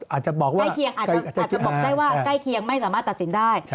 อาจจะบอกว่าใกล้เคียงไม่สามารถตัดสินได้